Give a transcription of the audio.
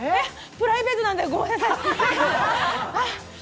プライベートなんで、ごめんなさい。